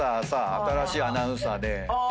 新しいアナウンサーで。